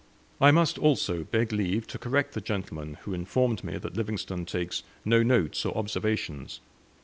I must also beg leave to correct the gentleman who informed me that Livingstone takes no notes or observations.